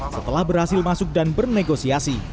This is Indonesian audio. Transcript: setelah berhasil masuk dan bernegosiasi